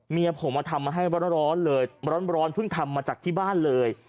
เมียผมมาทำมาให้ร้อนเลยร้อนเพิ่งทำมาจากที่บ้านเลย